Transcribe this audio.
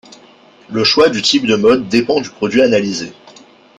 Le choix du type de mode dépend du produit analysé.